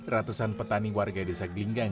ratusan petani warga desa gelinggang